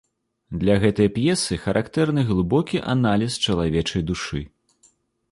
Для гэтай п'есы характэрны глыбокі аналіз чалавечай душы.